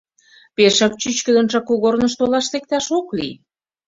Пешак чӱчкыдынжак кугорныш толаш лекташ ок лий.